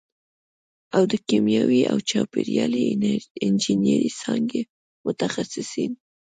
او د کیمیاوي او چاپېریالي انجینرۍ څانګې متخصصین